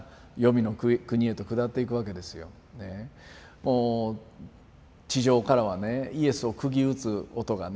もう地上からはねイエスを釘打つ音がね